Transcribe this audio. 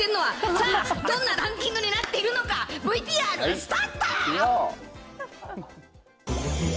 さあ、どんなランキングになっているのか、ＶＴＲスタート。